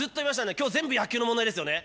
今日、全部野球の問題ですよね？